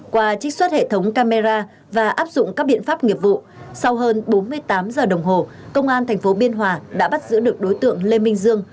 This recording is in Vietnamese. qua trích xuất hệ thống camera và áp dụng các biện pháp nghiệp vụ sau hơn bốn mươi tám giờ đồng hồ công an tp biên hòa đã bắt giữ được đối tượng lê minh dương